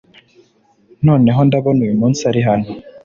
noneho ndabona uyumunsi ari hano